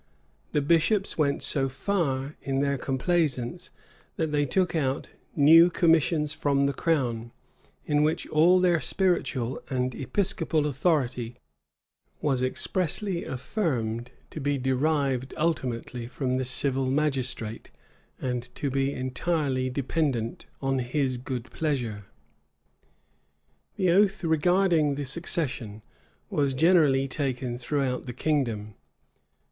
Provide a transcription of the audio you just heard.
The bishops went so far in their complaisance, that they took out new commissions from the crown, in which all their spiritual and episcopal authority was expressly affirmed to be derived ultimately from the civil magistrate, and to be entirely dependent on his good pleasure.[*] The oath regarding the succession was generally taken throughout the kingdom.